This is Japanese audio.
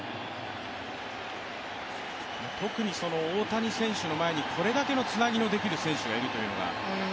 特に大谷選手の前にこれだけのつなぎの選手がいるというのは？